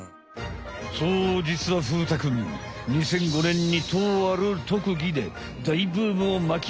そうじつは風太くん２００５年にとある特技で大ブームをまきおこしたたてやくしゃ。